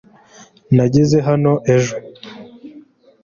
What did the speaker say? Nageze hano ejo .